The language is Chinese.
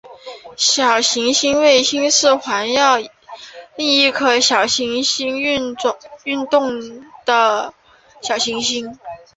小行星卫星是指环绕另一颗小行星运行的小行星。